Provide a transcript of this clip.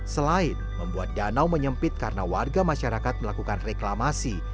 selain membuat danau menyempit karena warga masyarakat melakukan reklamasi